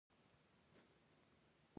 د هغوی لیکدود د هنر یوه بڼه ده.